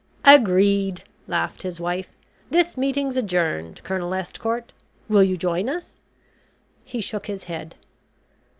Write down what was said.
"Agreed," laughed his wife. "This meeting's adjourned, Colonel Estcourt. Will you join us." He shook his head.